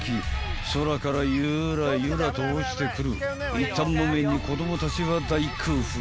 ［空からゆらゆらと落ちてくる一反木綿に子供たちは大興奮］